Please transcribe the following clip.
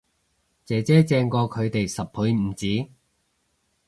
姐姐正過佢哋十倍唔止